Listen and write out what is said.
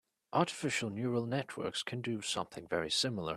Artificial neural networks can do something very similar.